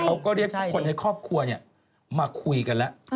เอาก็ได้คนในครอบครัวมาคุยกันล่ะ